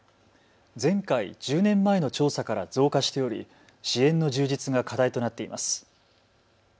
前回、１０年前の調査から増加しており支援の充実が課題となっています。